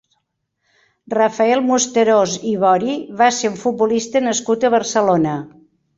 Rafael Musterós i Bori va ser un futbolista nascut a Barcelona.